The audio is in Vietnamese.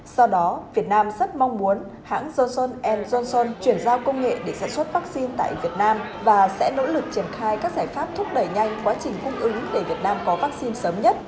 do đó việt nam rất mong muốn hãng johnson johnson chuyển giao công nghệ để sản xuất vắc xin tại việt nam và sẽ nỗ lực triển khai các giải pháp thúc đẩy nhanh quá trình cung ứng để việt nam có vắc xin sớm nhất